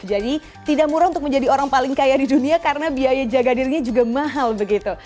jadi tidak murah untuk menjadi orang paling kaya di dunia karena biaya jaga dirinya juga mahal begitu